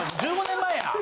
１５年前や。